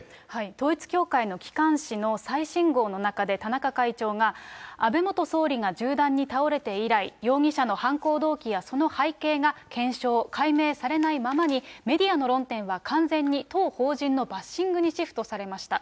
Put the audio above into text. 統一教会の機関紙の最新号の中で、田中会長が、安倍元総理が銃弾に倒れて以来、容疑者の犯行動機やその背景が検証、解明されないままに、メディアの論点は完全に当法人のバッシングにシフトされました。